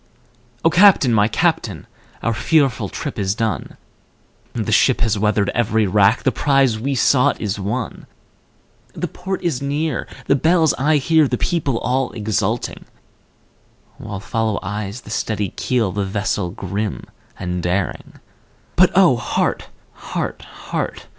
O Captain! my Captain! our fearful trip is done, The ship has weathered every rack, the prize we sought is won, The port is near, the bells I hear, the people all exulting, While follow eyes the steady keel, the vessel grim and daring; But O heart! heart! heart!